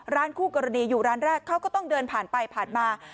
คู่กรณีอยู่ร้านแรกเขาก็ต้องเดินผ่านไปผ่านมา